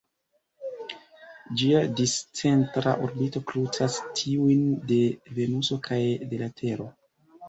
Ĝia discentra orbito krucas tiujn de Venuso kaj de la Tero.